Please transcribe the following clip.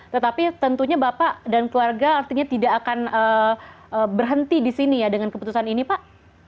tetapi tentunya bapak dan keluarga artinya tidak akan berhenti di sini ya dengan keputusan ini pak